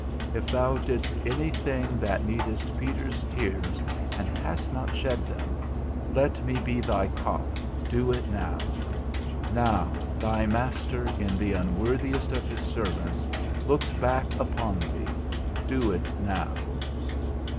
If thou didst any thing that needest Peter's tears, and hast not shed them, let me be thy cock, do it now. Now, thy Master (in the unworthiest of his servants) looks back upon thee, do it now.